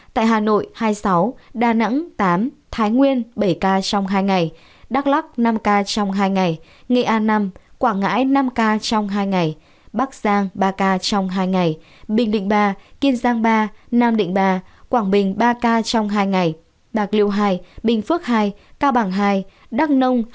tại hà nội hai mươi sáu đà nẵng tám thái nguyên bảy ca trong hai ngày đắk lắk năm ca trong hai ngày nghệ an năm quảng ngãi năm ca trong hai ngày bắc giang ba ca trong hai ngày bình định ba kiên giang ba nam định ba quảng bình ba ca trong hai ngày bạc liệu hai bình phước hai bình dương hai